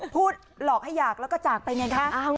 หลอกให้อยากแล้วก็จากไปไงคะ